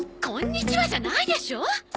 「こんにちは」じゃないでしょ！